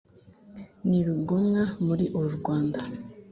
Ni rugomwa muri uru Rwanda,